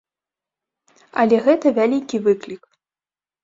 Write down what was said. Але гэта вялікі выклік.